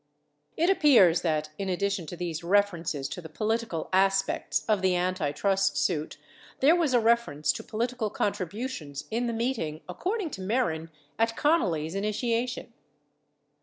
99 It appears that, in addition to these references to the political as pects of the antitrust suit, there was a reference to political contribu tions in the meeting — according to Mehren, at Connally's initiation.